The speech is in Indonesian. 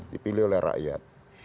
dipilih oleh rakyat